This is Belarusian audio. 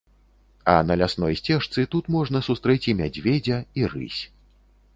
А на лясной сцежцы тут можна сустрэць і мядзведзя, і рысь.